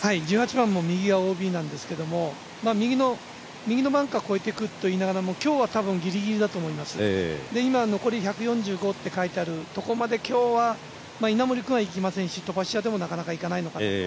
１８番も右がＯＢなんですけど右のバンカー越えてくといいながら、今日はぎりぎりだと思いますね、１４５って書いてあるところまで今日は稲森君はいきませんし、飛ばし屋でもなかなかいかないのかなと。